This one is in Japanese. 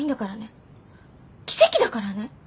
奇跡だからね。